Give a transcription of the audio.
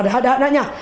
đó đó đó nha